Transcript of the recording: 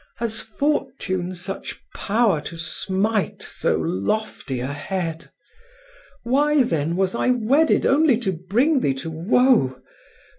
Has fortune such power To smite so lofty a head? Why then was I wedded Only to bring thee to woe?